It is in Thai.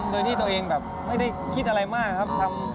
โดยที่ตัวเองแบบไม่ได้คิดอะไรมากครับ